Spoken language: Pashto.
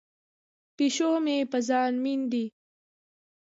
پیشو مې په ځان مین دی.